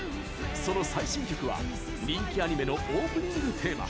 その最新曲は人気アニメのオープニングテーマ。